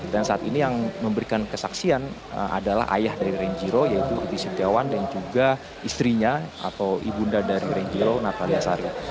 dan saat ini yang memberikan kesaksian adalah ayah dari renjiro yaitu huti setiawan dan juga istrinya atau ibunda dari renjiro natalia sarya